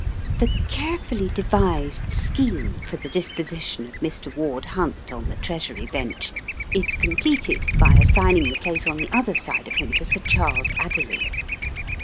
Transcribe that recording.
The carefully devised scheme for the disposition of Mr. Ward Hunt on the Treasury bench is completed by assigning the place on the other side of him to Sir Charles Adderley.